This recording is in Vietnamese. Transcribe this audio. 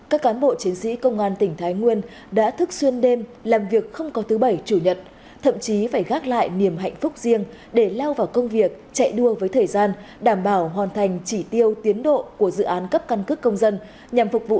các cán bộ chiến sĩ công an tỉnh thái nguyên đã thức xuyên đêm làm việc không có thứ bảy chủ nhật thậm chí phải gác lại niềm hạnh phúc riêng để lao vào công việc chạy đua với thời gian đảm bảo hoàn thành chỉ tiêu tiến độ của dự án cấp căn cước công dân